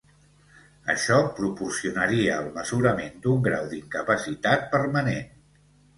Això proporcionaria el mesurament d'un grau d'incapacitat permanent.